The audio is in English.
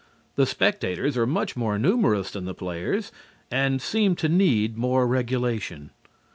The spectators are much more numerous than the players, and seem to need more regulation.